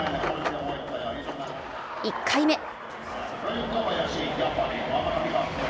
１回目。